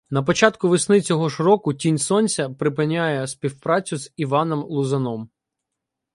Напочатку весни цього ж року «Тінь Сонця» припиняє співпрацю з Іваном Лузаном.